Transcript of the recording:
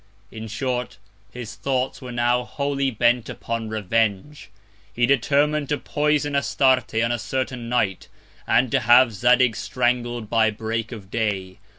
In short, his Thoughts were now wholly bent upon Revenge. He determin'd to poison Astarte on a certain Night, and to have Zadig strangled by Break of Day.